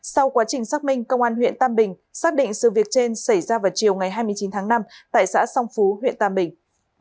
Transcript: sau quá trình xác minh công an huyện tam bình xác định sự việc trên xảy ra vào chiều ngày hai mươi chín tháng năm tại xã song phú huyện tam bình